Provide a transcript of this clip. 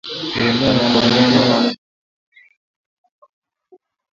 huenea kwa mnyama mmoja hadi kwa mwingine